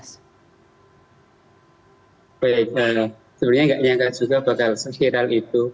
sebenarnya tidak nyangka juga bakal sesir hal itu